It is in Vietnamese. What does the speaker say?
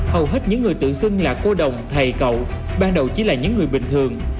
hầu hết những người tự xưng là cô đồng thầy cậu ban đầu chỉ là những người bình thường